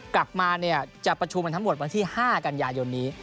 กลับมาจะประชุมกันทั้งหมดวันที่๕กันยายนนี้